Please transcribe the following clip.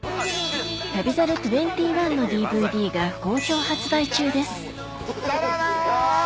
『旅猿２１』のＤＶＤが好評発売中ですサラダ！